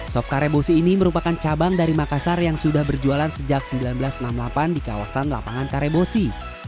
sop karebosi ini merupakan cabang dari makassar yang sudah berjualan sejak seribu sembilan ratus enam puluh delapan di kawasan lapangan karebosi